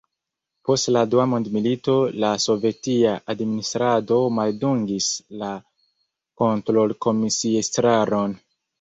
Post la Dua mondmilito la sovetia administrado maldungis la kontrolkomisiestraron.